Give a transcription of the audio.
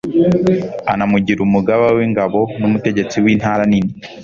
anamugira umugaba w'ingabo n'umutegetsi w'intara nini